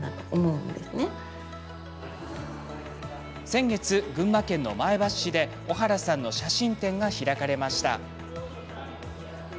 先月、群馬県の前橋市で小原さんの写真展が開かれました。